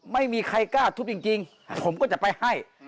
ไม่มีใครกล้าทุบจริงผมก็จะไปให้